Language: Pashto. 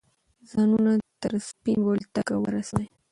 ځانونه تر سپین بولدکه ورسوه.